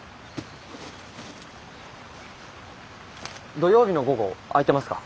土曜日の午後空いてますか？